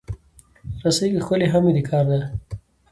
رسۍ که ښکلې هم وي، د کار ده.